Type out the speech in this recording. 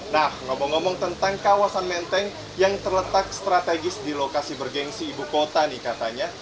nah ngomong ngomong tentang kawasan menteng yang terletak strategis di lokasi bergensi ibu kota nih katanya